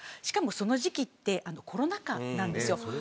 しかも、その時期ってコロナ禍なんですよ。